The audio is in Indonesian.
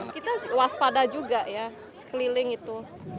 kita waspada juga ya sekeliling itu